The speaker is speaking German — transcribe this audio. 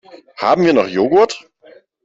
Haben wir noch Joghurt?